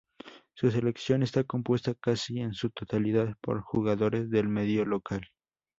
Su selección está compuesta casi en su totalidad por jugadores del medio local.